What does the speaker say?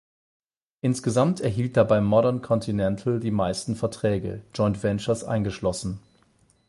Insgesamt erhielt dabei Modern Continental die meisten Verträge, Joint Ventures eingeschlossen.